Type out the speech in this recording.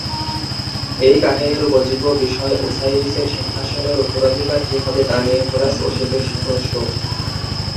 এই কাহিনির উপজীব্য বিষয় ওসাইরিসের সিংহাসনের উত্তরাধিকার কে হবে তা নিয়ে হোরাস ও সেতের সংঘর্ষ।